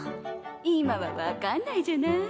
今は分かんないじゃない。